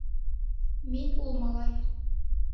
Мин ул малай!